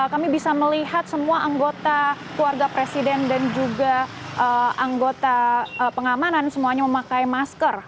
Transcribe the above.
kami bisa melihat semua anggota keluarga presiden dan juga anggota pengamanan semuanya memakai masker